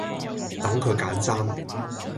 等佢揀衫